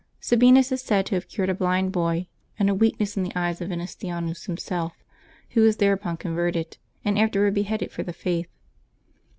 Sabinus is said to have cured a blind boy, and a weakness in the eyes of Yenustianus himself, who was thereupon converted, and afterward beheaded for the Faith.